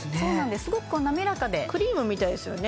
すごくなめらかでクリームみたいですよね